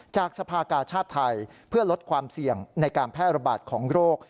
จากสภากาชาติไทยเพื่อลดความเสี่ยงในการแพร่ระบาดของโรค